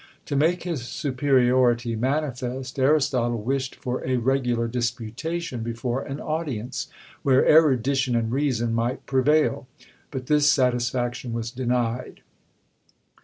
To make his superiority manifest, Aristotle wished for a regular disputation before an audience, where erudition and reason might prevail; but this satisfaction was denied.